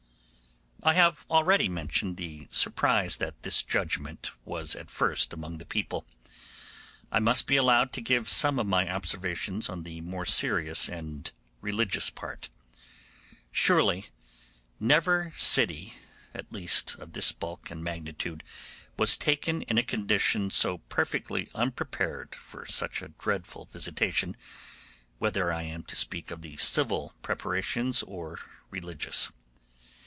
I have already mentioned the surprise that this judgement was at first among the people. I must be allowed to give some of my observations on the more serious and religious part. Surely never city, at least of this bulk and magnitude, was taken in a condition so perfectly unprepared for such a dreadful visitation, whether I am to speak of the civil preparations or religious.